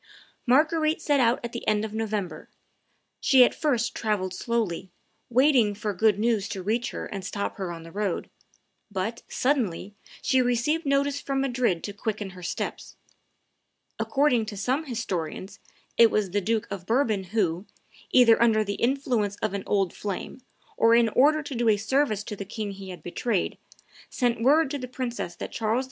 Marguerite set out at the end of November; she at first travelled slowly, waiting for good news to reach her and stop her on the road; but, suddenly, she received notice from Madrid to quicken her steps; according to some historians, it was the Duke of Bourbon who, either under the influence of an old flame or in order to do a service to the king he had betrayed, sent word to the princess that Charles V.